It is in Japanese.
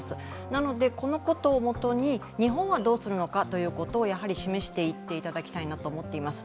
なので、このことをもとに日本はどうするのかということを示していっていただきたいと思っています。